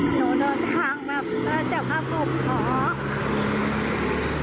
หนูโดนทางมาและรับภาพอนุขอ